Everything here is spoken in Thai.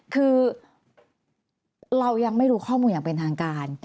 คือเรายังไม่รู้ข้อมูลอย่างเป็นทางการ